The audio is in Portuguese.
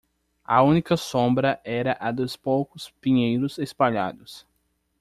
A única sombra era a dos poucos pinheiros espalhados.